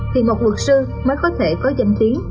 thì một luật sư mới có thể có danh tiếng